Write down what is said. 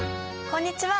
こんにちは。